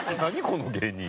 この芸人。